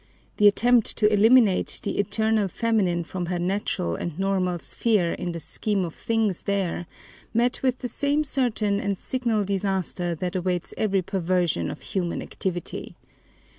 The attempt to eliminate the eternal feminine from her natural and normal sphere in the scheme of things there met with the same certain and signal disaster that awaits every perversion of human activity.